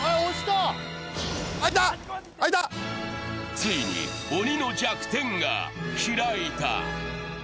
ついに鬼の弱点が開いた。